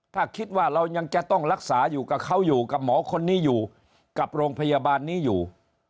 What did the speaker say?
ถ้าคิดว่าเรายังจะต้องรักษาอยู่กับเขาอยู่กับหมอคนนี้อยู่กับโรงพยาบาลนี้อยู่